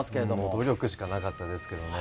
努力しかなかったですけどね。